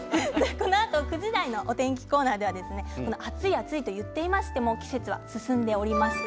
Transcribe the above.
このあと９時台のお天気コーナーでは暑い暑いと言ってみましても季節が進んでおります。